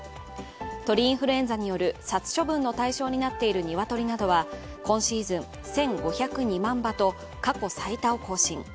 鳥インフルエンザによる殺処分の対象になっている鶏などは今シーズン１５０２万羽と過去最多を更新。